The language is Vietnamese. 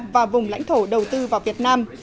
và vùng lãnh thổ đầu tư vào việt nam